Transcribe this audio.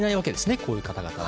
こういう方々は。